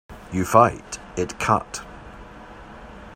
You fight it cut.